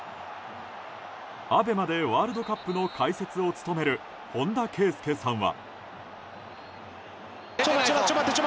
ＡＢＥＭＡでワールドカップの解説を務める本田圭佑さんは。